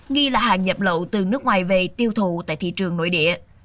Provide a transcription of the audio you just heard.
nghi là hàng nhập lậu từ nước ngoài về tiêu thụ tại thị trường nội địa